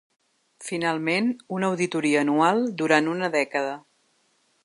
Finalment, una auditoria anual durant una dècada.